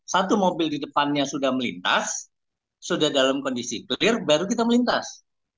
satu mobil di depannya sudah melintas sudah dalam kondisi clear baru kita melintas